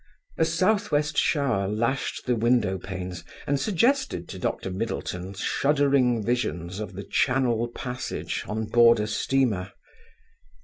A South west shower lashed the window panes and suggested to Dr. Middleton shuddering visions of the Channel passage on board a steamer.